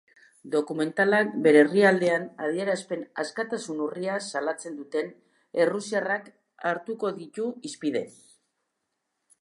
Dokumentalak bere herrialdean adierazpen askatasun urria salatzen duten errusiarrak hartuko ditu hizpide.